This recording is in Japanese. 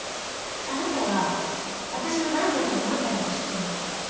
あなたはあたしの何歳から何歳まで知ってるの？